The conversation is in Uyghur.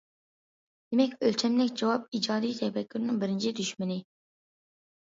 دېمەك،« ئۆلچەملىك جاۋاب» ئىجادىي تەپەككۇرنىڭ بىرىنچى دۈشمىنى.